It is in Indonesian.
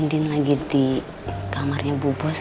mungkin lagi di kamarnya bu bos